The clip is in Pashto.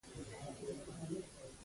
خو په دوهم ډز ځای پر ځای ودرېده،